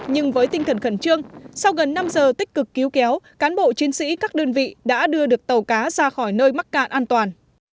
nhưng với tinh thần khẩn trương sau gần năm giờ tích cực cứu kéo cán bộ chiến sĩ các đơn vị đã đưa được tàu cá ra khỏi nơi mắc cạn an toàn